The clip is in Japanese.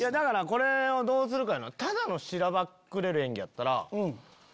これをどうするか。